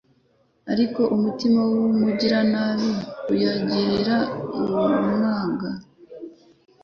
ariko umutima w’umugiranabi uyagirira umwaga